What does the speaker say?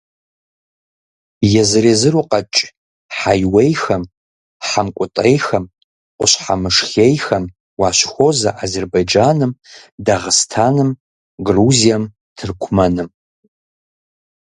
Езыр–езыру къэкӀ хьэиуейхэм, хьэмкӀутӀейхэм, къущхьэмышхейхэм уащыхуозэ Азербайджаным, Дагъыстаным, Грузием, Тыркумэным.